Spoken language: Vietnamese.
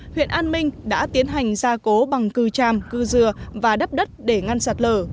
huyện an minh đã tiến hành gia cố bằng cư tràm cư dừa và đắp đất để ngăn sạt lở